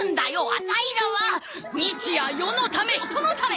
アタイらは日夜世のため人のため。